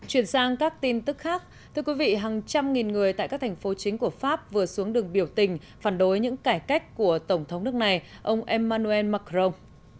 hàng trăm nghìn người tại các thành phố chính của pháp vừa xuống đường biểu tình phản đối những cải cách của tổng thống nước này ông emmanuel macron